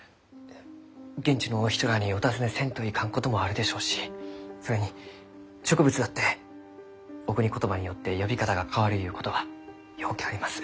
現地のお人らあにお尋ねせんといかんこともあるでしょうしそれに植物だっておくに言葉によって呼び方が変わるゆうことはようけあります。